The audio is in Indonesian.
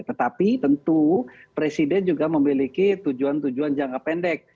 tetapi tentu presiden juga memiliki tujuan tujuan jangka pendek